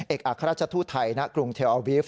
เอกอัครราชทุทธัยนะครุ่งเทียวอาวิฟท์